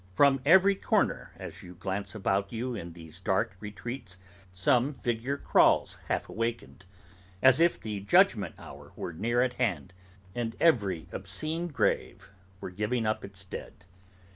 From every corner, as you glance about you in these dark retreats, some figure crawls half awakened, as if the judgment hour were near at hand, and every obscene grave were giving up its dead.